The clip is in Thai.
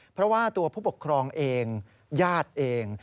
เพราะว่าตัวผู้ปกครองเองญาติเอง